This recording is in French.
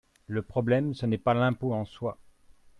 Le problème, ce n’est pas l’impôt en soi.